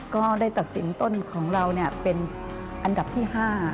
ก็ได้ตัดสินต้นของเราเป็นอันดับที่๕